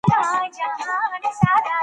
خلګ به شراب څښي.